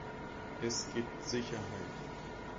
Es gibt Sicherheit.